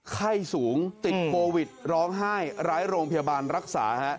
ไข้สูงติดโควิดร้องไห้ร้ายโรงพยาบาลรักษา